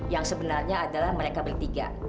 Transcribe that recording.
yang sebenarnya adalah mereka bertiga